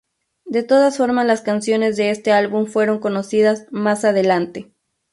De todas formas las canciones de este álbum fueron conocidas más adelante.